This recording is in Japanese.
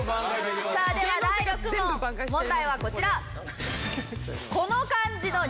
さあでは第６問問題はこちら。